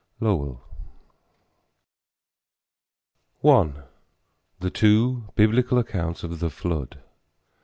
Lowell. I. THE TWO BIBLICAL ACCOUNTS OF THE FLOOD.